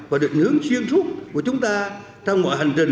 và được nhớ xuyên suốt của chúng ta trong mọi hành trình